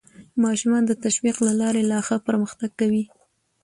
ماشومان د تشویق له لارې لا ښه پرمختګ کوي